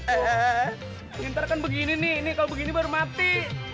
eh pintar kan begini nih ini kalau begini baru mati